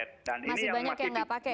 masih banyak yang nggak pakai ya pak